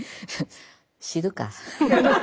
知るか。